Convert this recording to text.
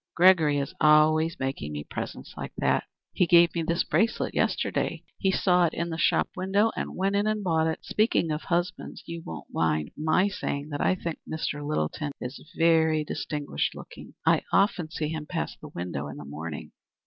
"Gregory is always making me presents like that. He gave me this bracelet yesterday. He saw it in the shop window and went in and bought it. Speaking of husbands, you won't mind my saying that I think Mr. Littleton is very distinguished looking? I often see him pass the window in the morning."